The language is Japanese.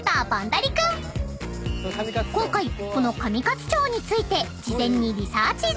［今回この上勝町について事前にリサーチ済み］